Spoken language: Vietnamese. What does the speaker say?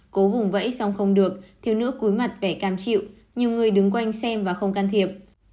cố vùng vẫy xong không được thiếu nữ cuối mặt vẻ cam chịu nhiều người đứng quanh xem và không can thiệp